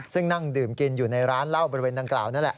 ซึ่งนั่งดื่มกินอยู่ในร้านเหล้าบริเวณดังกล่าวนั่นแหละ